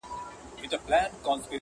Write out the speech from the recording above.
څوك به راسي د ايوب سره ملګري؛